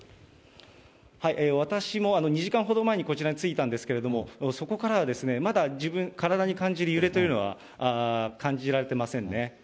私も２時間ほど前にこちらに着いたんですけれども、そこからはまだ体に感じる揺れというのは感じられてませんね。